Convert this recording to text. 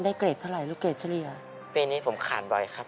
เกรดเท่าไหร่ลูกเกรดเฉลี่ยปีนี้ผมขาดบ่อยครับ